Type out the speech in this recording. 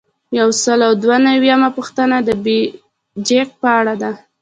یو سل او دوه نوي یمه پوښتنه د بیجک په اړه ده.